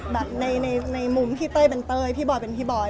ในมุมที่เต้ยเป็นเต้ยพี่บอยเป็นพี่บอย